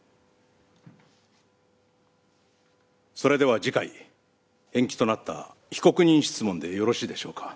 それでは次回延期となった被告人質問でよろしいでしょうか？